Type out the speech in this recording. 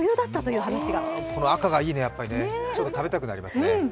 赤がいいねちょっと食べたくなりますね。